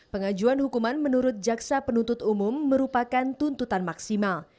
pengajuan hukuman menurut jaksa penuntut umum merupakan tuntutan maksimal